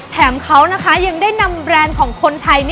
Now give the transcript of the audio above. แถมเขานะคะยังได้นำแบรนด์ของคนไทย